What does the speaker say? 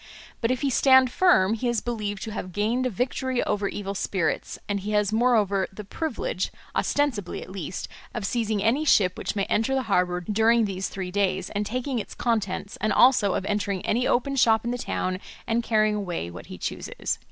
But if he stand firm he is believed to have gained a victory over evil spirits, and he has moreover the privilege, ostensibly at least, of seizing any ship which may enter the harbour during these three days, and taking its contents, and also of entering any open shop in the town and carrying away what he chooses."